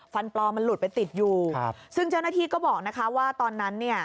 ปลอมมันหลุดไปติดอยู่ครับซึ่งเจ้าหน้าที่ก็บอกนะคะว่าตอนนั้นเนี่ย